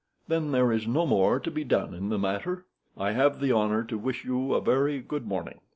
Then there is no more to be done in the matter. I have the honor to wish you a very good morning."